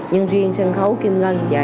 nhưng riêng sân khấu kim ngân thì không